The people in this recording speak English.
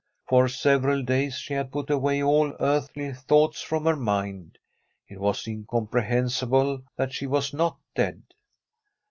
For several days she had put away all earthly thoughts from her mind. It was incomprehensible that she was not dead.